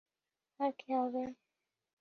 আর কে হবে?